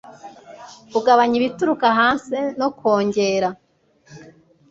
kugabanya ibituruka hanze no kongera